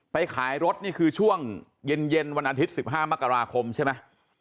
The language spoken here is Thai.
ไปขายรถนี่คือช่วงเย็นวันอาทิตย์๑๕มกราคมใช่ไหม